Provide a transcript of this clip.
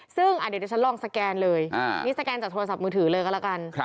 ซึ่งเดี๋ยวฉันลองสแกนเลยนี่สแกนจากโทรศัพท์มือถือเลยก็แล้วกัน